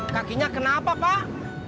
kakinya kenapa pak